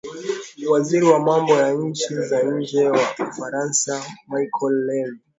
waziri wa mambo ya nchi za nje wa ufaransa michelle leoali